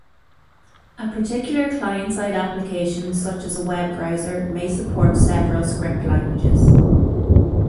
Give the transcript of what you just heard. A particular client-side application, such as a web browser, may support several script languages.